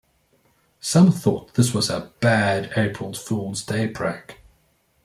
Some thought this was a bad April Fool's Day prank.